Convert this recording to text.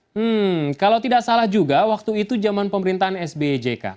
hmm kalau tidak salah juga waktu itu zaman pemerintahan sby jk